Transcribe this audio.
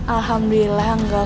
alhamdulillah enggak kok